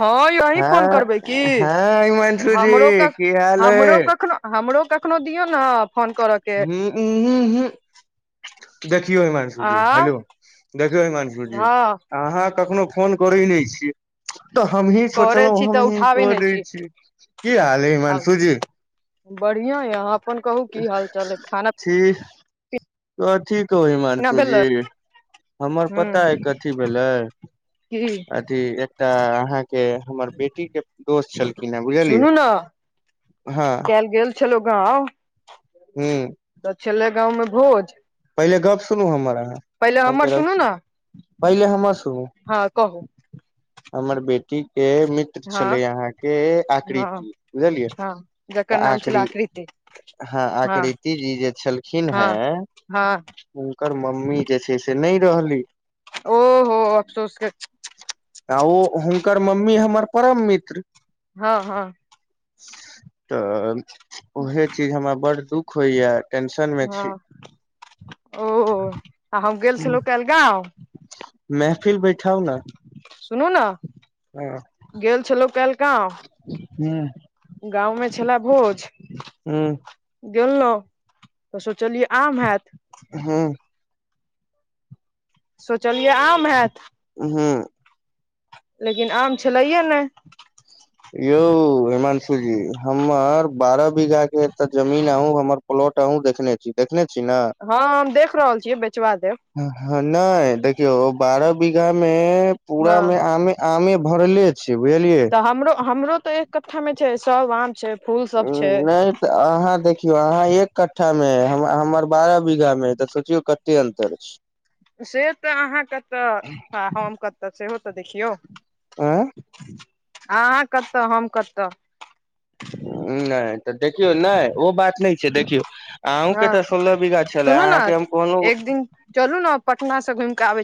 हँ यौ अहि फोन हँ करबै की हँ हिमांशु जी हमरो क की हाल हमरो अइ कखनो हमरो कखनो दियौ ने फोन करऽके उ हू हू देखियौ हिमंशु आ जी हेलो देखियौ हिमंशु जी हँ अहाँ कखनो फोन करै नहि छियै तऽ हमही करे सोचलहुँं छी तऽ हमही उठाबै कऽ नहि दै छी की हाल ह आ हिमांशुजी बढ़िया यै अहाँ अपन कहू की हाल चाल अइ खाना से कथि कहु पीना हिमांशु जी भेलै हमर पता हूँ ह कथी भेलै की अथी एकटा अहाँके हमर बेटी के दोस्त छलखिन हे बुझलियै सुनू हँ छलौं गाँव हू तऽ छलै गाँवमे भोज पहिले गप्प सुनू हमर आब पहिले हम हमर सुनू ने पहिले हमर सुनू हँ कहू हमर बेटी के हँ छलै अहाँके हँ आकृति बुझलियै हँ जकर तऽ नाम छलै आकृ आकृति हँ आकृति जी जे छलखिन हँ हेँ हँ हुनकर मम्मी जे छै से नहि रहली ओहो अफसोसके आ ओ हुनकर मम्मी हमर परम मित्र हँ हँ तऽ उहे चीज हमरा बड़ दुःख होइयै हँ ओ आ हम गेल छलहुँ काल्हि गाँव महफिल बैठाउ ने सुनू ने ह गेल छलहुँ काल्हि गाँव गाँंवमे छलै भोज हू गेलहुँ तऽ सोचलियै आम हेत हँ सोचलियै आम हैत हँ लेकिन आम छलै हे ने यौ हिमांशु जी हमर बारह बीघा के एतऽ जमीन आ हमर प्लॉट अहुँ देखने छी देखने छी ने हँ हम देख रहल छियै बेचवा देब नहि देखियौ बारह बीघा मे पूरा हँ मे आमे आमे भरले छै बुझलियै तऽ हमरो हमरो तऽ एक कठ्ठामे छै सब आम छै फूल सब छै नहि तऽ अहाँ देखियौ अहाँ एक कठ्ठा मे है हमर बारह बीघा मे हइ तऽ सोचियौ कते अन्तर छै से तऽ अहाँ कतऽ हम कतऽ सेहो तऽ देखियौ आँ अहाँ कतऽ हम कतऽ नहि तऽ देखियौ नहि ओ बात नहि छै देखियौ हँ अहूँके तऽ सोलह बीघा छलै सुनू ने अहाँके हम कहलहु एक दिन चलू ने पटना से घूमिक आबे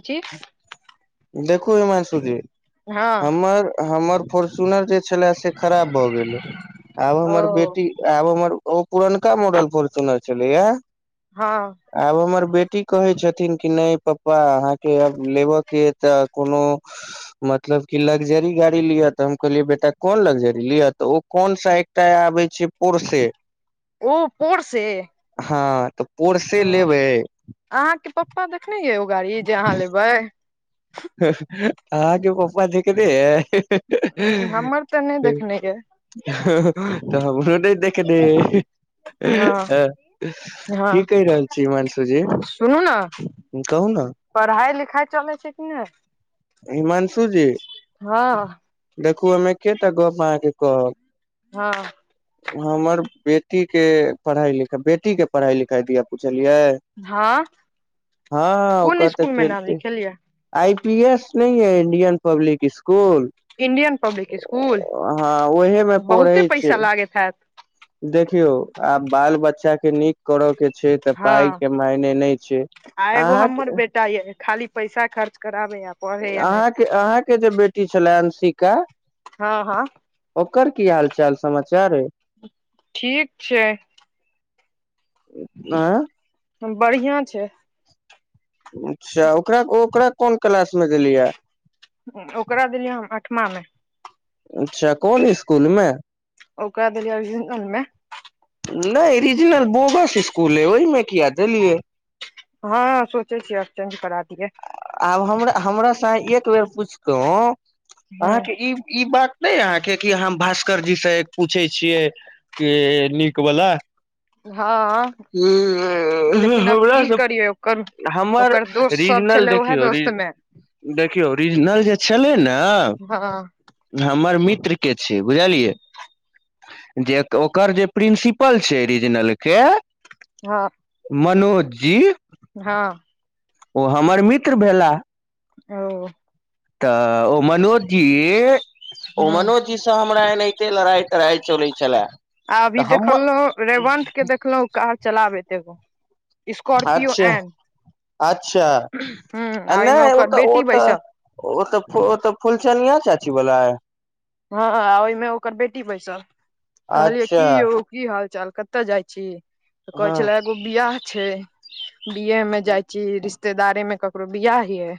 देखू हिमांशु जी हँ हमर हमर फोर्च्युनर जे छले से खराब भऽ गेलै आब हमर ओ बेटी आब हमर ओ पुरनका मॉडल फोन सुनने छलैए हँ आब हमर बेटी कहै छथिन कि नहि पप्पा के लेबऽ के त कोनो मतलब की लग्जरी गाड़ी लिअ तऽ हम कहलियै बेटा कोन लग्जरी लिअ तऽ ओ कोन सा तय आबै छै पुरसे ओ पोर से हँ तऽ पोरसे ओ लेबै अहाँके पप्पा देखने य ओ गाड़ी जे अहाँ लेबै ह ह आहाँ के पप्पा देखने अय हमर तऽ नहि देखने यै हह तऽ हमरो नहि देखने अय हँ हह की हँ कहि रहल छी हिमांशु जी सुनू ने कहू ने पढ़ाइ लिखाइ चलै छै कि नहि हिमांशू जी हँ देखू अमे एकेटा गप अहाँके कहब हँ हमर बेटी के पढ़ाई लिखाई बेटी के पढ़ाई लिखाई दिया पुछलियै हँ हँ कोन ओकर तऽ स्कुल मे नाम चेलते लिखेलियै आई पी एस न है Indian public school Indian public school हँ ओह मे पढ़ै छै देखायत देखियौ आब बाल बच्चा के नीक करऽ के छै तऽ पाइ हँ के मायने नहि छै आ एगो हमर अहाँके बेटा खाली पैसा खर्च कराबेय या पढ़े या नहि अहाँके अहाँके जे बेटी छलय अंसिका हँ हँ ओकर की हाल चाल समाचार अय ठीक छै आँ बढ़ियां छै अच्छा ओकरा ओकरा कोन क्लास में देलियै या ओकरा देलियै हम अठमा मे अच्छा कोन इसकुल मे ओकरा देलीया अभीजनलमे नहि रिजनल बोगस स्कुल है ओहिमें किया देलियै हँ सोचे छियै आब चेंज करा दिये आब हमरा हमरा सा एक बेर पूछ कहहु ह अहाँके ई ई बात नहि अहाँके क हम भास्कर जी से पूछै छियै कि नीक वला हँ ह लेकिन आब हमरास की सब करियै ओकर हमर ओकर दोस्त सब रीजनल छलै उएह देखियौ दोस्त मे रज देखियौ रीजनल जे छलै ने हँ हमर मित्र के छय बुझलियै जे ओकर जे प्रिंसिपल छै रीजनल के हँ मनोज जी हँ ओ हमर मित्र भेलाह ओ तऽ ओ मनोज जी ह ओ मनोज से हमरा एनाहिते लड़ाई तड़ाइ चलै छलै आ अभी देखलहु रेवंत के देखलहु कार चलाबैत एगो स्कॉपियो अच्छा एनड अच्छा आ ओहिमे नहि ओ ओकर तऽ ओ बेटी तऽ बैसल ओ तऽ ओ तऽ फुलचनीयां चाची वाला यै हँ ओहिमे ओकर बेटी बैसल कहलियै अच्छा की ओ की हाल चाल कतऽ जाइ छी तऽ कहै हँ छले एगो बियाह छै बिए मे जाइ छी रिश्तेदारी मे ककरो बिआह यै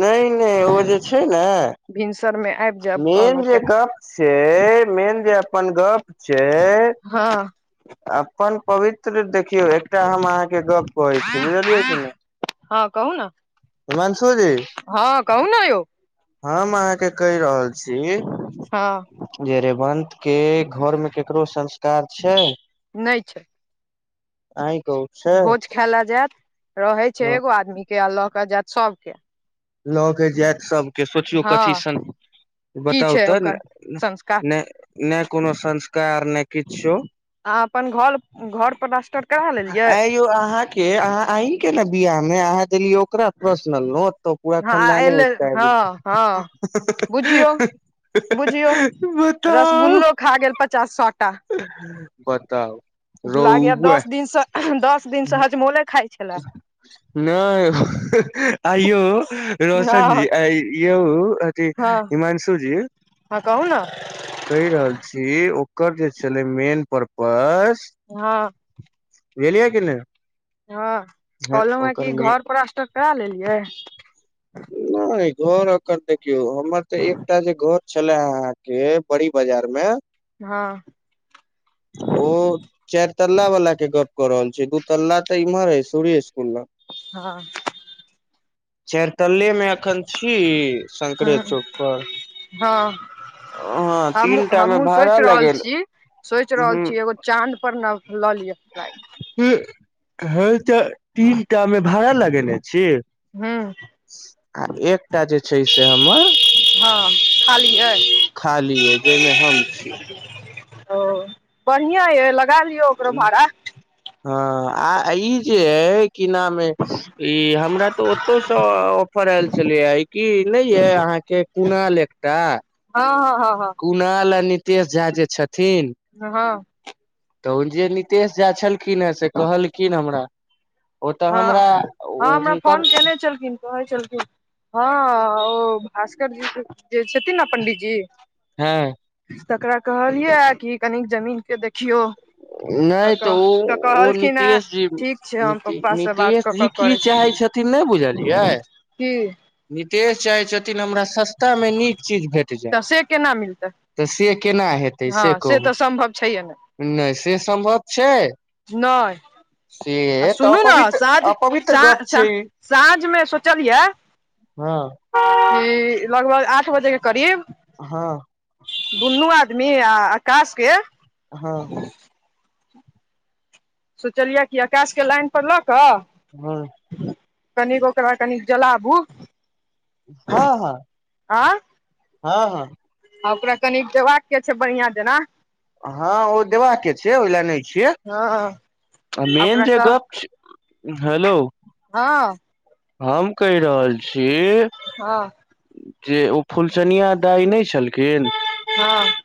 नहि नहि ओ जे छै ने भिनसर में आबि जायब मेन कहलक जे गप छै मेन जे अपन गप छै हँ अपन पवित्र देखियौ एकटा हम अहाँके गप कहै छी बुझलियै कि हँ कहू ने नहि हिमांशुजी हँ कहु ने यौ हम अहाँके कहि रहल छी हँ जे रेवंत के घरमे ककरो संस्कार छै नहि छै आहिं कहु छै भोज खाय लऽ जायत रहे छै एगो आदमी के आ लऽ के जायत सबके लऽ के जैत सबके सोचियो हँ कथी सन की बताउ छै तऽ ओकर संस्कार नहि नहि कोनो संस्कार नहि किछो अहाँ अपन घर घर पलास्टर करा लेलियै केओ अहाँक के अहाँ अहिं के ने बियाह में अहाँ देलियै ओकरा प्रसनल नोत पूरा हँ खन्दाने एले उठिके आबि हँ गेल छलै हँ बुझियौ बुझियौ रसगुल्लो खा गेल पचास साठ टा बताउ लागैयै रौआ दस दिनसँ दस दिनसँ हजमोले खाइ छलै नहि आइयो रोशन जी हँ आइ यौ हँ हिमांशु जी हँ कहू ने कहि रहल छी ओकर जे छलै मेन परपस हँ नहि हँ कहल ह ओकर कि मेन घर प्लास्टर करा लेलियै नहि घर ओकर देखियौ हमर तऽ एकटा जे घर छलै अहाँ के बड़ी बाजार मे हँ ओ चारि तल्ला वला के गप कऽ रहल छी दू तल्ला तऽ इम्हर हे सूरि स्कुल लग हँ चारितले मे एखन छी शंकरे हँ चौक पर हँ हँ हमहूँ तीनटा मे हमहूँ भाड़ा सोचि रहल लगेल छी सोचि रहल ह छियै एगो चाँद पर न लऽ लिय फलाइट हम तऽ तीनटा मे भाड़ा लगेने छी हूँ आ एकटा जे छै से हमर हँ खालिऐ खाली अइ जाहिमे हम छी ओ बढ़िआं यऽ लगा लियौ ओकरो भाड़ा हँ आ ई जे अय की नाम अय ई हमरा तो ओतौ से ऑफर आयल छलेा की नहि ये अहाँके कुणाल एकटा हँ हँ हँ हँ कुणाल आ नीतेश झा जे छथिन हँ हँ तऽन जे नीतेश झा छलखिन हेँ से कहलखिन हमरा ओ तऽ हँ हमरा हँ हमरा फोन हुनकर केने छलखिन कहै छलखिन हँ ओ भास्कर जी जे छथिन ने पंडितजी हँ तकरा कहलियै कि कनिक जमीन के देखियौ नहि तऽ ओ ओ कहलखिन हे नीतिेश जी ठीक छै हम नीति पप्पा से बात नीतीश कऽ जी कऽ की करै छी चाहै छथिन नहि बुझलियै की नितेश चाहे छथिन हमरा सस्ता मे नीक चीज भेट जाय तऽ सेे केना मिलतै तऽ से केना हेतै से हँ कहू तऽ सम्भव छैहे ने नहि से सम्भव छै नय से तऽ अपवित्र अपवित्र सा गप सा छैई ई साँझमे हँ ई लगभग आठ बजे के करीब हँ दुन्नू आदमी आ आकाश के हँ सोचलियै कि अकाश के लाइन पर लऽ कऽ हँ कनि ओकरा कनिक जलाबू हँ हँ आँ हँ हँ आ ओकरा कनि देबाक के छै बढ़िआं जेना हँ ओ देबाक के छै ओहि लए नहि हँ आ छियै मेन ओकरा जे कह गप छै हेलो हँ हम कहि रहल छी हँ जे ओ फुलचनिया दाइ नहि छलखिन हँ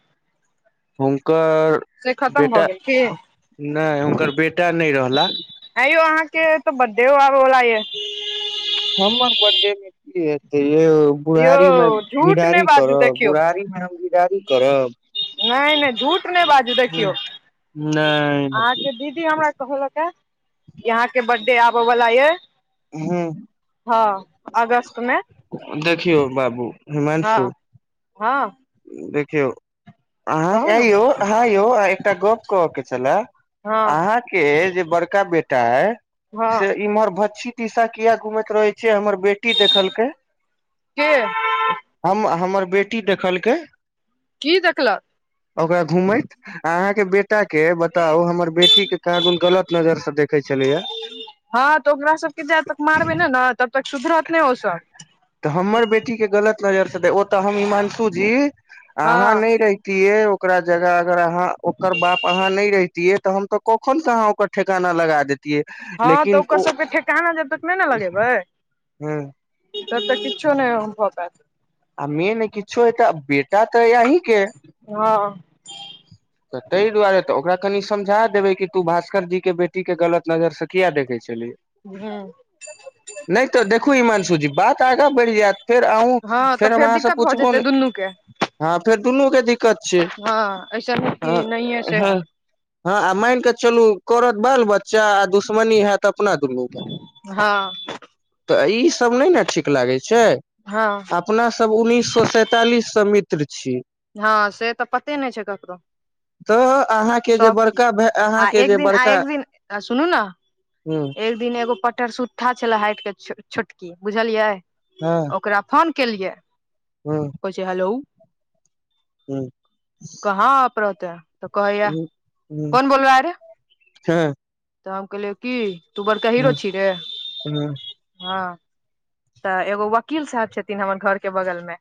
हुनकर से खतम भऽ बेटा गेल की नहि हुनकर बेटा नहि रहला है यौ अहाँ के तो बर्थ डे आबवला ये हमर बर्थडे मे की हेते यौ यौ बुढ़ारी मे झूठ नहि घीदारी बाजू करब देखियौ बुढ़ारी मे हम घीदारी करब नहि नहि झूठ नहि बाजू देखियौ नहि नहि अहाँके दीदी हमरा कह लक याह की अहाँ बर्थडे आबे वाला ये ह हँ अगस्त मे देखियौ बाबू हिमांशु हँ हँ देखियौ अहाँ कहू आ ने यौ अहाँ यौ एकटा गप कहय के छलए हँ अहाँ के जे बड़का बेटा अय हँ से इम्हर भछी दिशा किया घुमैत रहे छियै हमर बेटी देखलकै के हम हमर बेटी देखलकै कि देखलक ओकरा घूमैत अहाँके बे बेटा के बताउ हमर बेटी के कहाँ दुन गलत नजर से देखे छलैया हँ तऽ ओकरा सबके जा तक मारबे ने हाँ तब तक सुधर नहि ओ सभ तऽ हमर बेटीक के गलत नजर से दे ओतऽ हम हिमांशु जी अहाँ हँ नहि रहितियै ओकरा जगह अगर अहाँ ओकर बाप अहाँ नहि रहितियै तऽ हम तऽ कखन के अहाँ ओकर ठेकाना लगा देत ह हँ तऽ लेकिन ओकर ओ सबके ठेकाना जब तक हँ त तऽ किछु नहि भ पाअत आ मेन किछो या तऽ बेटा तऽआय अही हँ [inaudible] तऽ ताहि दुआरे तऽ ओकरा कनि समझा देबै कि तू भास्कर जी के बेटी के गलत नजर से किया देखै छलहि ह नहि तऽ देखू हिमांशु जी बात आगाँ बढ़ जायत फेर अन्हु हँ तऽ फेर अहाँ दिक्कत भऽ पूछबो जेतै न दुनू के फेर दुनू के दिक तिक्कत छै हँ ऐसन हँ कि नहिये से हँ हँ आ मानिकऽ चलू करत बाल बच्चा आ दुश दुश्मनी होयत अपना दुनू ग हँ तऽ ई सब नहि ने ठीक लागै छै हँ अपना सब उन्ननीस स सैंतालिस से मित्र छी हँ से तऽ पते नहि छै ककरो तऽ अहाँके जे सब बड़का भ आ अहाँके एक जे दिन आ एक बड़का दिन आ सुनू ने ह एक दिन एगो पट्टर सुठा छला हाइट के छोटकी बुझलियै हँ ओकरा फोन केलियै हँ कहेय छै हेलो ह्म कहाँ आप रहते हैं तऽ कहैया हम्म हम्म कोन बोल रहा है रे हँ तऽ हम कहलियए की तू बड़का हीरो ह छी रे ह हँ तऽ एगो वकील साहब छथिन हमर घर के बगल मे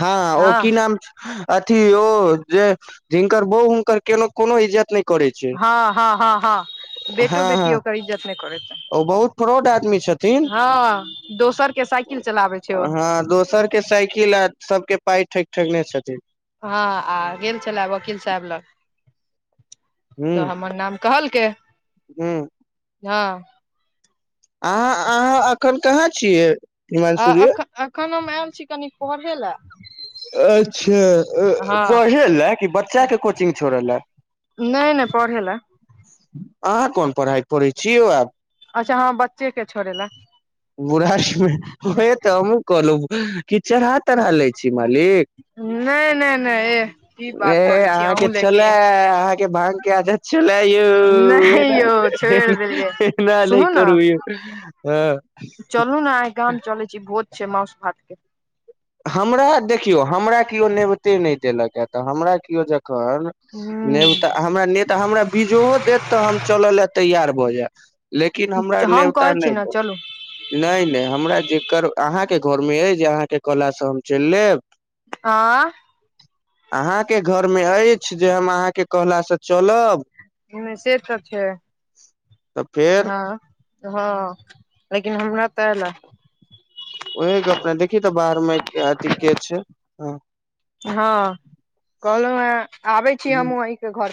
हँ ओ की नाम--छै अथी ओ जे झिंनकर बौह हुनकर केनो कोनो इज्जत नहि करै छै हँ हँ हँ हँ हँ बेटो बेटी हँ ओकर इज्जत नहि करैत छै। ओ बहुत फ्रॉड आदमी छथिनहाँ हँ दोसर के साइकिल चलाबै छै ओ दोसर के साइकिल आर सबके पाइ ठैक ठैकने छथिन हँ आ गेल छले वकील साहब लग तऽ हमर नाम कहलकै हुँ हँ अहाँ अहाँ एखन कहाँ छियै आ हिमांशु जी अख-अखन हम आयल छी कनी पढ़े ले अच्छा हँ पढ़े लऽ कि बच्चा के कोचिंग छोड़े लऽ नहि नहि पढ़ै ला अहाँ कोन पढ़ाई पढ़ै छियो आब अच्छा हँ बच्चे के छोड़े लए बुढ़ारी मे ओहे तऽ हमहुँ कहलहुँ कि चढ़ा तढ़ा लै छी मालिक नहि नहि नहि एह की ए बात करै छी अहाँके अहूँ छलै लेकिन अहाँके भांग के आदत छलाह यौ नहि यौना यौ छोड़ि देलियै एना नहिय सुनू ने करू यौ हँ चलू ने एहिइ गाम चलै छी भोज छै मौस भातके हमरा देखियौ हमरा केओ नेवते नहि देलक ह तऽ हमरा केओ जखन नेवता ह हमरा नहि तऽ हमरा बीजोओ देत तऽ हम चलय लए तैयार भऽ जायब लेकिन हमरा हम नेवता कहै छी नहि ने दे चलू नहि नहि हमरा जेकर अहाँके घरमे अइ जे अहाँके कहलासँ हम चलि लेब आंय अहाँके घर मे अछि जे हम अहाँके कहलासऽ चलब नै से तऽ छै तऽ फेर हँ हँ लेकिन हमरा तऽ एल ए ओएह गपने देखी तऽ बाहरमे अथी के छै हँ हँ कहलहुँ हे आबै छी ह हमहुँ अहीं के घर